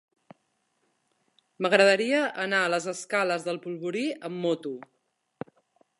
M'agradaria anar a les escales del Polvorí amb moto.